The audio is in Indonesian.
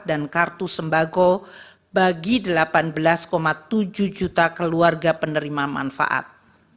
dan kartu sembago bagi delapan belas tujuh juta keluarga penerima manfaat